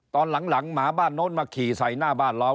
ตอนหลังหมาบ้านโน้นมาขี่ใส่หน้าบ้านเรา